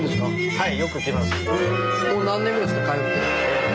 はい。